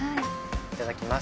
いただきます。